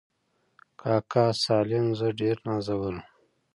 کاکا سالم زه ډېر نازولم.